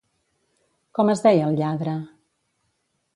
Com es deia el lladre?